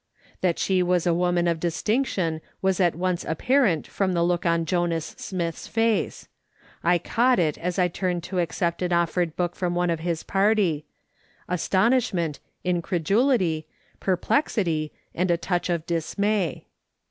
That she was a woman of distinction was at once apparent from the look on Jonas Smith's face. I caught it as I turned to accept an offered book from one of his party — astonishment, incredulity, per plexity, and a touch of dismay.